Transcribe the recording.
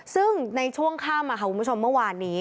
ซึ่งในช่วงค่ำคุณผู้ชมเมื่อวานนี้